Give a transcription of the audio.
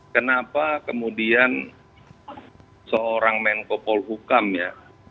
kenapa kemudian seorang menko polhukam ya